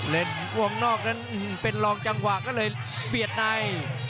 วงนอกนั้นเป็นรองจังหวะก็เลยเบียดใน